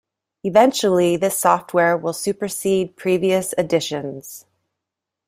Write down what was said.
Eventually this software will supersede previous editions.